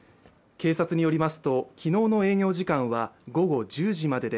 警察によりますと、昨日の営業時間は午後１０時までで、